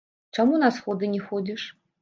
Чаму на сходы не ходзіш?